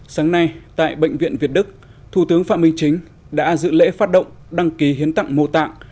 sáng nay tại bệnh viện việt đức thủ tướng phạm minh chính đã dự lễ phát động đăng ký hiến tặng mô tạng